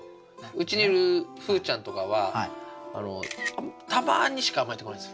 うちにいるふうちゃんとかはたまにしか甘えてこないです。